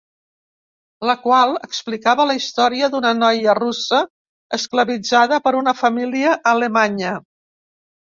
La qual explicava la història d’una noia russa esclavitzada per una família alemanya.